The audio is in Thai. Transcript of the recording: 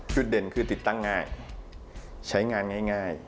จุดเด่นคือติดตั้งง่ายใช้งานง่าย